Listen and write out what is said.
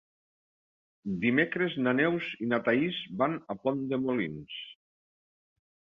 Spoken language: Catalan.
Dimecres na Neus i na Thaís van a Pont de Molins.